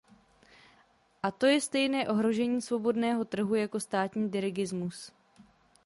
A to je stejné ohrožení svobodného trhu jako státní dirigismus.